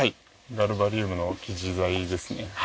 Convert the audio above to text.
ガルバリウムの生地材ですね。